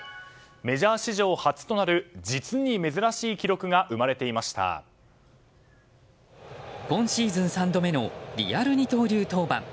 メジャー史上初となる実に珍しい記録が今シーズン３度目のリアル二刀流登板。